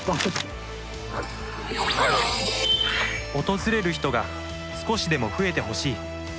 訪れる人が少しでも増えてほしい。